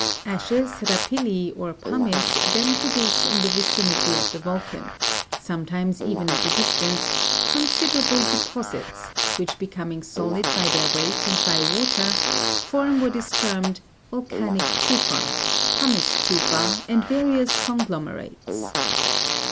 Ashes, rapilli, or pomice then produce in the vicinity of the volcan, sometimes even at a distance, considerable deposits, which becoming solid by their weight and by water, form what is termed volcanic tufa, pumice tufa, and various conglomerates.